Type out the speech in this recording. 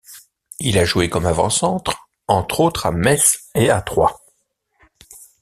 Il a joué comme avant-centre, entre autres à Metz et à Troyes.